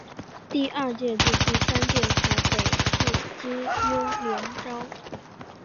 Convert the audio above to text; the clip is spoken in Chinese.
第二届至第三届采北市资优联招。